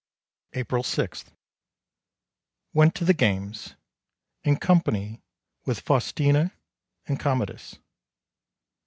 April 6. Went to the games, in company with Faustina and Commodus.